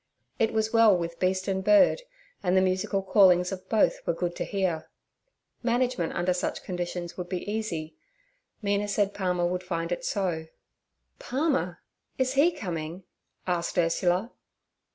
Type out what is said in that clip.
It was well with beast and bird, and the musical callings of both were good to hear. Management under such conditions would be easy. Mina said Palmer would find it so. 'Palmer! Is he coming?' asked Ursula.